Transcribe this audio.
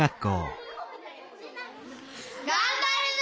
がんばるぞ！